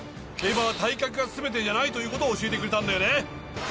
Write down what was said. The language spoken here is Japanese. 競馬は体格が全てじゃないということを教えてくれたんだよね。